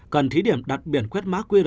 cần thí điểm đặt biển quét má quy r